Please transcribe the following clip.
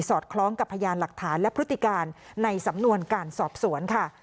อดคล้องกับพยานหลักฐานและพฤติการในสำนวนการสอบสวนค่ะ